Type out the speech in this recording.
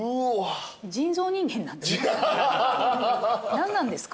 何なんですか？